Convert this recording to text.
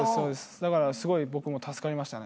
だからすごい僕も助かりましたね